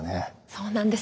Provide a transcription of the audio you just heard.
そうなんです。